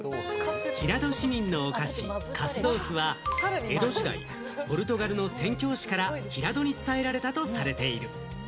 平戸市民のお菓子・カスドースは江戸時代、ポルトガルの宣教師から平戸に伝えられたとされている。